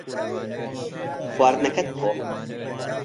خواردنەکەت بخۆ.